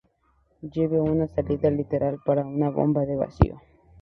Lleva una salida lateral para una bomba de vacío.